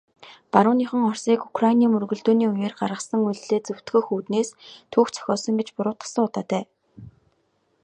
Барууныхан Оросыг Украины мөргөлдөөний үеэр гаргасан үйлдлээ зөвтгөх үүднээс түүх зохиосон гэж буруутгасан удаатай.